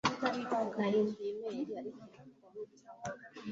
imikorere yabo igomba kuba igendana n'ukuri kugomba kugezwa ku batuye isi